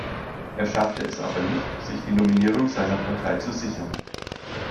Er schaffte es aber nicht, sich die Nominierung seiner Partei zu sichern.